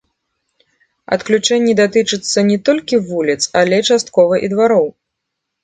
Адключэнні датычацца не толькі вуліц, але часткова і двароў.